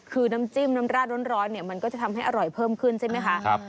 คือน้ำจิ้มน้ำราดร้อนเนี่ยมันก็จะทำให้อร่อยเพิ่มขึ้นใช่ไหมคะ